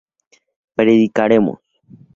predicaremos